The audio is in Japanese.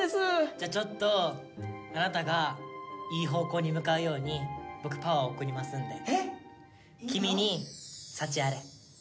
じゃあちょっとあなたがいい方向に向かうように僕パワーを送りますんで。